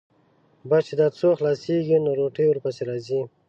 بس چې دا څو خلاصېږي، نو روټۍ ورپسې راځي.